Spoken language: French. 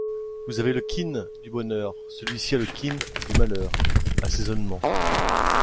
Vous avez le quine du bonheur, celui-ci a le quine du malheur ; assaisonnement.